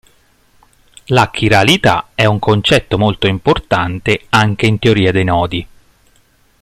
La chiralità è un concetto molto importante anche in teoria dei nodi.